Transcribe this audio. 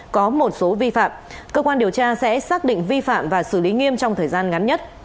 có một số vi phạm cơ quan điều tra sẽ xác định vi phạm và xử lý nghiêm trong thời gian ngắn nhất